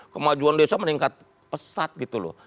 kemajuan desa meningkat pesat gitu loh